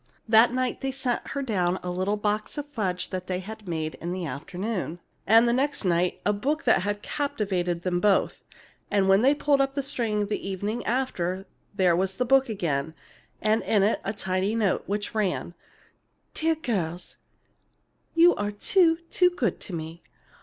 That night they sent her down a little box of fudge that they had made in the afternoon, and the next night a book that had captivated them both. And when they pulled up the string the evening after, there was the book again, and in it a tiny note, which ran: DEAR GIRLS: You are too, too good to me.